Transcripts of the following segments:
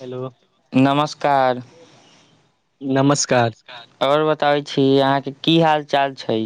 hello नमस्कार नमस् नमस्कार और बताबै छी अहाँके की हाल चाल छै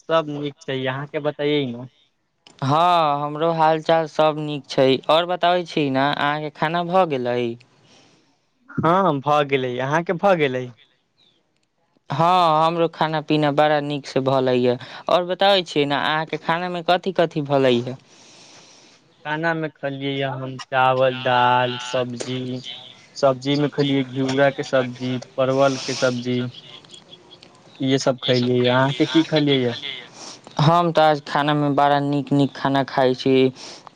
सब नीक छै अहाँके बताइए न हँ हमरो हाल चाल सभ नीक छै और बताबै छी न अहाँके खाना भऽ गेलै [inaudible] हँ हँ भऽ गेलै अहाँके भऽ गेलै हँ हमरो खाना पीना बड़ा नीक से भलै या और बताबै छी न अहाँके खानामे कथि कथि भलै ह खलियेै य हम चावल दाल सब्जी सब्जी में खलिये घिउरा के सब्जी परवल वल के सब्जी इहे सब खलियै अहां के की खलियै य हम तऽ आज खानामे बड़ा नीक नीक खाना खाइ छी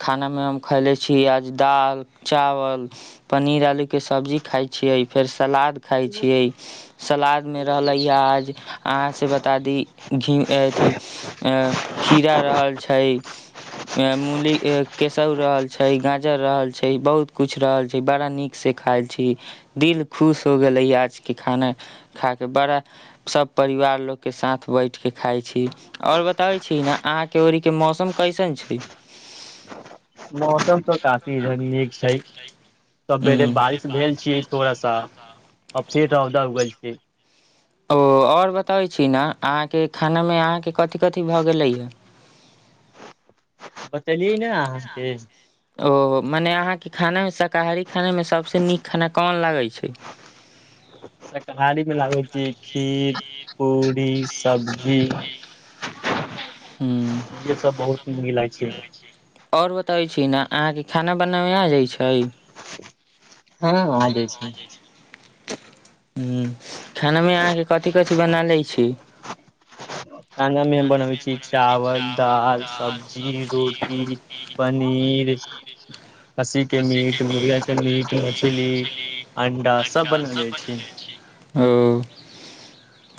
खानामे हम खैले छी आज दाल चावल पनीर आलु के सब्जी खाई छियै फेर सलाद खाय छियै सलाद मे रहलै ह आज अहाँ से बता दी घि अथि अ खीरा रहल छै मूली केस‌उर रहल छै गाज जर रहल छै बहुत कुछ रहल छै बड़ा नीक से खायल छी दिल खुश हो गेले ह आज के खाना खा के बड़ा सब परिवार लोग के साथ बैठ के खाय छी और बताबै छी ना अहाँके ओरी के मौसम कैसन छै मौस मौसम तऽ ठीक छै [inaudible] सबेेरे बारिश भेल छियै थोड़ा सा आ फेर रौदा उगल छै ओ आओर बतबै छी न अहाँके खानामे अहाँके कथि कथि भऽ गेलैए ह [inaudible] चलियै न अहाँके ओ मने अहाँके खानामे शाकाहारी खानामे सभसँ नीक खाना कोन लागै छै शाकाहारी मे लागै छियै खीर पूरी सब्जी ईहे सब बहुत नीक लागइ छै और बतबै छी न अहाँके खाना बनाबै आ जाइत छै हँ आ जाइ छै हूँ खानामे अहाँके कथि कथि बना लैत छी खानामे बनबै छी चावल दाल सब्जी रोटी पनीर खीर खस्सी के मीट मुर्गा के मीट मछली अंडा सब बना लै छी ओ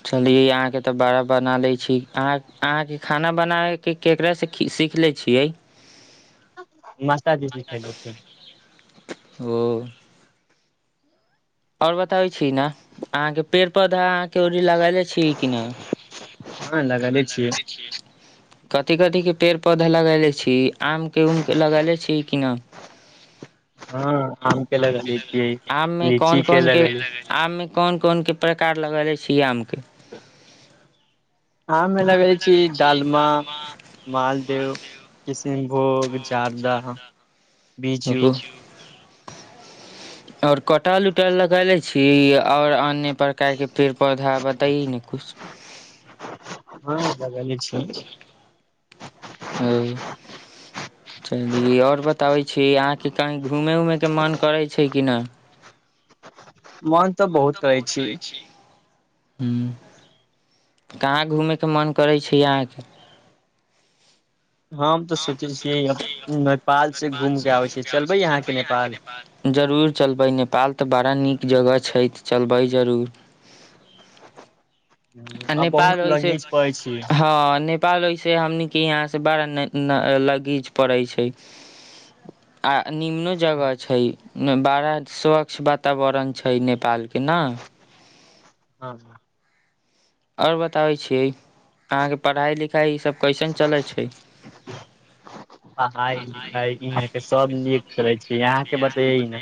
चलिये आहाँ के तऽ बड़ा बना लै छी अहाँ अहाँ के खाना बनावे के केकरा से सीखलि छियै नाश्ता कि कि कैले छहि ओ आओर बताबै छी छि नै अहाँ के पेड़ पौधा अहाँ के अबरी लगौले छिये कि नै हँ लगेले छियै कथी कथीक के पेड़ पौधा लगैले छी आम के उम के लगैले छी कि नै [inaudible] हँ आम के लगैले छिये आम मे कोन लीची के कोन लगैले आम मे कोन कोन के प्रकार लगैले छीयै आम के आममे लगैले छी डालमा मालदेव किशीनभोग जर्दा बीजू और कटहल उटहल लगैले छी और अन्य प्रकार के पेड़ पौधा बताई ने कुछ किश हँ लगैले छि ओ चली आओर बताबै छी अहाँके कहीं घूमय उमय के मोन करै छै कि नहि मोन तऽ बहुत करै छी ह्म कहाँ घूमय के मोन करै छै अहाँके हम तऽ सोचै छियै नेपाल सँ घूम कऽ आबै छी चलबै अहाँके नेपाल जरूर चलबै नेपाल तऽ बड़ा नीक जगह छै तऽ चलबै जरूर आ नेपाल बहुत होइ से लगीच पड़ै छी हँ नेपाल आब एसे हमनी के यहाँ से बरा लगीच परैय छै [unintelligible] आ निमनो जगह छै बड़ा स्वच्छ वातावरण छै नेपाल के नै हँ आओर बताबै छियै अहाँके पढ़ाइ लिखाइ इसभ कैसन चलै छै [inaudible] पढ़ाइ लिखाइ इहाँ के सब नीक करै छिये अहाँके बतैयै ने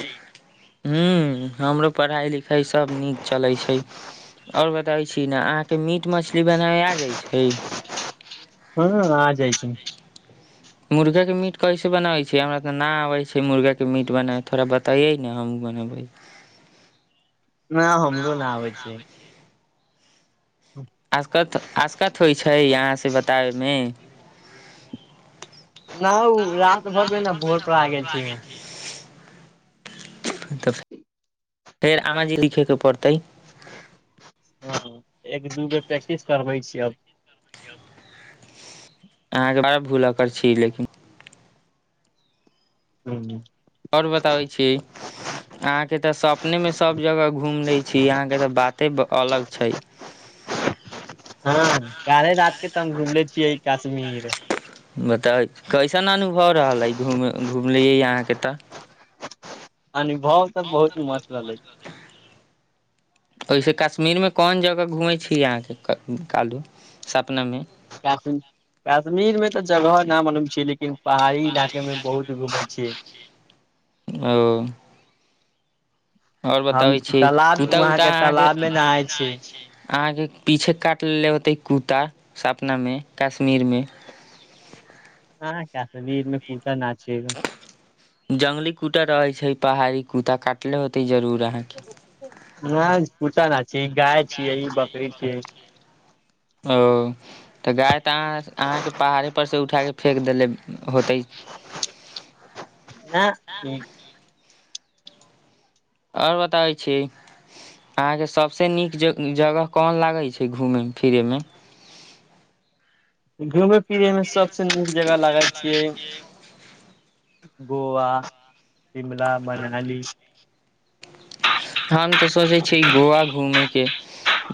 हँ हमरो पढ़ाई लिखाई सब नीक चलै छै और बताबै छी न अहाँ तऽ मीट मछली बनाबे आ जाइ छै हूँ आ जाइ छै मुर्गा के मीट कैसे बनाबै छै हमरा तऽ ना आबै छै मुर्गा के मीट बना थोड़ा बताइये ने हम बनेबै ना हमरो ना आबै छै आसकत आसकत होइ छै यहाँ से बताबेमे न ना ओ उ भर मे रात ने भरमे भोर पर आ घोट गेल छी हम आगेति [inaudible] त [inaudible] फेर आमा जी लिखेके पड़तै हँ एक दू बेर प्रैक्टिस करबै छिय अब अहाँ के बर भूलक्कर छी लेकिन हूँ आओर बताबै छी अहाँके तऽ सपनेमे सभ जगह घूमि लैए छी अहाँ के तऽ बाते अलग छै [inaudible] हँ काल्हे रात के तऽ हम घुमले छियै काश्मीर बताब कैसन अनुभव रहलै घूम घुमलियै अहाँके तऽ अनुभव तऽ बहुत मस्त रहलै [inaudible] ओहि से काश्मीरमे कोन जगह घूमैत छी अहाँके काल्हू सपनामे काश काश्मीर मे तऽ जगह न मलूम छै लेकिन लेकिन पहाड़ी इलाकेमे बहुत घूमैय छियै ओ आओर हम बताबै छी तालाब कुता वहाँ उता अहाँ के तालाब मे तलाबमे नहाय छी नहाइ छिये आहाँ के पीछे काट लेलेे होतै कुता सपनामे काश हँ काश्मीरमे कुता ना छिये ग जंगली कुता रहै छै पहाड़ी कुता काटले होतै जरूर अहाँके ना कुता ना छिये गाय छिये बकरी छिये ओ तऽ गाय तऽ अह अहाँके पहाड़े पर से उठा के फेेक देेले होतइ [inaudible] ना इ [inaudible] इओर बताबै छीये अहाँके सभसँ नीक ज जगह कोन लागै छै घूमय फिरयमे [inaudible] घूमय फिरैमे सभसँ नीक जगह लागै छियै गोवा शिमला मनाली हम तऽ सोचै छी गोवा घूमे के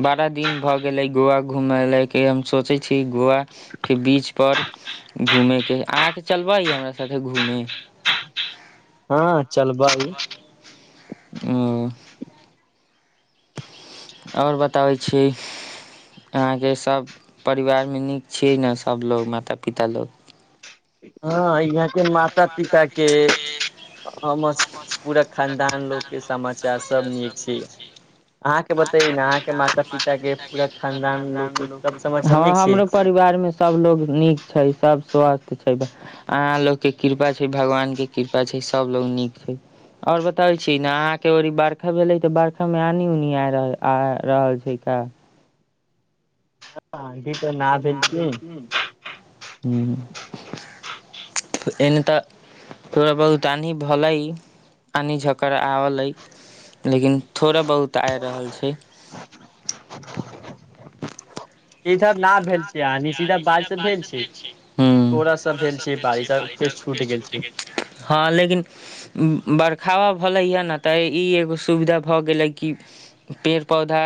बारह दिन भऽ गेलै गोव घूम ल के हम सोचै छी गोव के बीच पर घूमेके अहाँके चलबै हमरा साथे घूमे हँ चलबै ओ [inaudible] आओर बताबै छीये अहाँके सभ परिवारमे नीक छियै ने सभ लोग माता पिता लोग हँ अइ हियां के माता पिता के हमर पूरा खानदान लोग के समाचार बच्चा सब नीक छै आहाँ के बतैइयो ने अहाँकेँ माता पिता के पूरा खानदान लोग के सब हँ हमरो परिवार घरमे सब लोग नीक छै सब स्वस्थ छै अहाँ लोग के कृपा छै भगवान के कृपा छै सब लोग नीक छै आओर बताबइ छी ने अहाँके ओरी बर्खा भेलै तऽ बर्खा मे आनी ऊनी आइ आ रहल छै तऽ आइ [unintelligible] ना देलखिन हूँ एने तऽ थोड़ा बहुत आनी भलै आनि झकड़ आलै लेकिन थोड़ा बहुत आइ रहल छै इधर न भेल छै आंधी सीधा भेट छै बारिश भेल बाजसँ छै थोड़ा सा भेल छै भेज बारिश आ फेर छूट गेल छै [unintelligible] हा लेकिन हावा भलै ह न तऽ ई एगो सुविधा भऽ गेलै कि पेड़ पौधा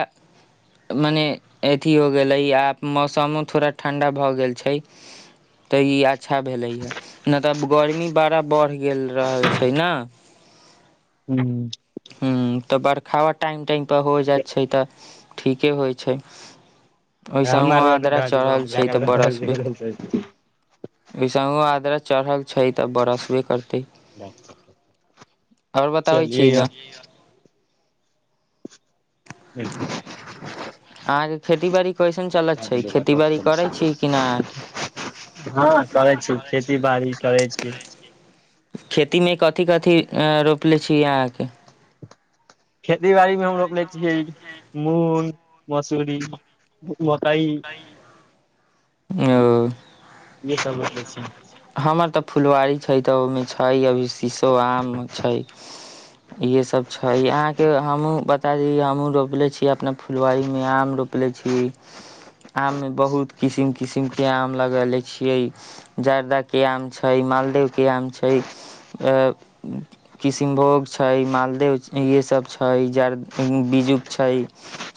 मने अथि हो गेलै आब मौसमो थोड़ा ठण्ढा भऽ गेल छै तऽ ई अच्छा भेलै ह न त गर्मी बड़ा बढ़ि गेल रहल छै न [inaudible] हू हू त बरखावा टाइम टाइम प हो जाइत छै तऽ ठीके होइ छै हम ओइसहू आर आद्रा चढ़ल छै ते बरसबे ओइसहू आद्रा चढ़ल छै तऽ बरसबे करतै आओर बताबै छी चलियै न [unintelligible] अहाँके खेती बाड़ी कैसन चलैत छै खेती बाड़ी करै छियै कि ना हँ हँ करै छी करइ छि बाड़ी खेती बड़ि करै करैत छी खेतीमे कथी कथी अ रोपले छी अहाँके खेती बाड़ी मे हम रोपले छियै मूंग मसूरी मकइ ओ इहे सब रोपले छियै हमर तऽ फुलवारी छै तऽ ओहिमे छै अभी शीशो आम छै इहे सब छै अहाँ के हमहुँ बता दी हमहूँ रोपले छियै अपना फुलवारी मे आम रोप रोपले छी आम मे बहुत किसिम किसिम के आम लगेले छियै जड़दा के आम छै मालदह के आम छै आ किष्नभोग छै मा देव य सब छै जड़ बीजुक छै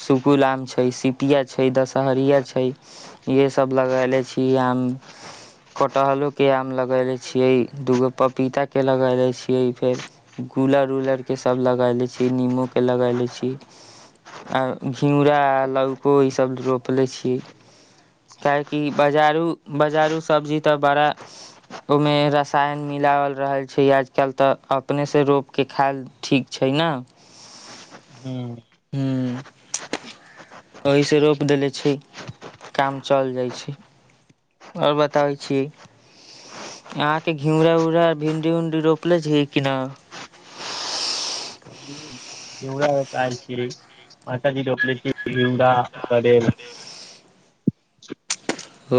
सुकुल आम छै सिपिया छै छै दशहरिया छै इएहे सब लगैले छी आम कटहलो के हम लगैले छियै दूगो पपीता के लगैले छियै फेर गुलर उलर के सब लगैले छी निमोके लगैले छियै आ घिउरा लौको इसभ रोपले छी काहेकि बाजारू बाजारू सब्जी तऽ बड़ा ओहिमे रसायन मिलावल रहल छै आजकल तऽ अपने से रोप के खायल ठीक छै ने न हँ ओहीसँ रोपि देले छियै काम चल जाइ छै और बताबै छियै अहांके घिउरा उड़ा भिंडी उंडी रोपले छियै कि न [inaudible] रोपाएल छियै मातााजी रोपले छियै घिउरा करेल [unintelligible] ओ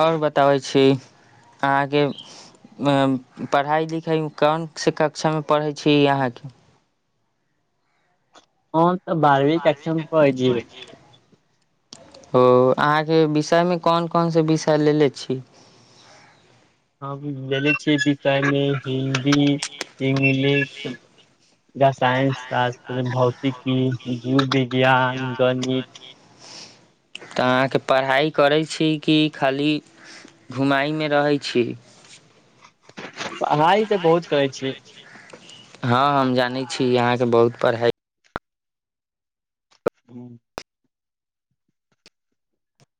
और बताबै छी अहाँके अ पढ़ाइ लिखाइ कोनसे कक्षामे पढ़ै छी अहाँके हम तऽ बारहवीं कक्षा मे पढ़ै छी ओ अहाँके विषयमे कोन कोनसे विषय लेले छी [inaudible] हम लैले छियै विषय मे हिन्दी इंगलिश या साइंस त आज भौतिकी जीव वि [unintelligible] तऽ अहाँके पढ़ाइ करै छियै कि खाली घुमाइमे रहै छियै पढ़ाई तऽ बहुत करै छियै हँ हम जानै छियै अहाँके बहुत पढ़ाइ [unintelligible]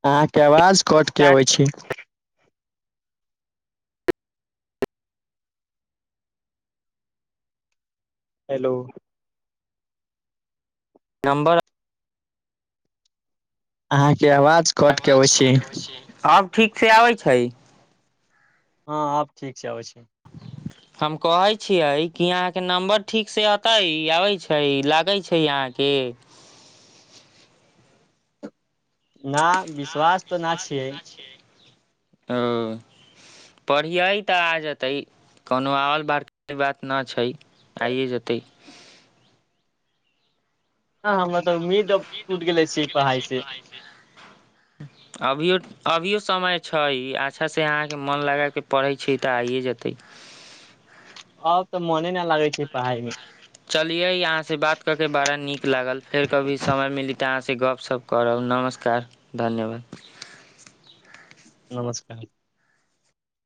अहाँके आवाज कट के अबै छै हेलो नम्बर अहाँके आवाज कट के अबै अबाज छी कट केआबैय छै आब ठीक से आबै छै हँ आब ठीक से आवै छै हम कहै छियै कि अहाँके नम्बर ठीक से अतै आबै छै लागै छै अहाँ के ना विश्वास तऽ न छियै [unintelligible] ओ पढ़ियैय तऽ आ जेतै कोनो और बार बात न छै आइए जेतै हमरा ह तऽ उम्मीद मतलब अभी तऽ टूट छूट गेले पढ़ाइ छी से पढ़ाई से अभियो अभियो समय छै अच्छासँ अहाँके मोन लगा के पढ़ै छै तऽ आइए जेतै [inaudible] आब तऽ मोने न लागै छै पढ़ाई मे चलियै अहाँ से बात कऽ के बड़ा नीक लागल फेर कभी समय मिली तऽ अहाँसे गपशप करब नमस्कार धन्यवाद नमस्कार